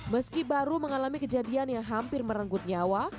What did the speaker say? meski baru mengalami kejadian yang hampir merenggut nyawa